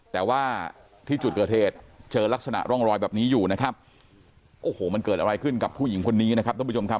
แต่ว่าที่จุดเกิดเหตุเจอลักษณะร่องรอยแบบนี้อยู่นะครับโอ้โหมันเกิดอะไรขึ้นกับผู้หญิงคนนี้นะครับท่านผู้ชมครับ